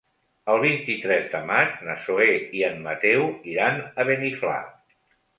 El vint-i-tres de maig na Zoè i en Mateu iran a Beniflà.